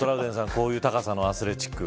こういう高さのアスレチック。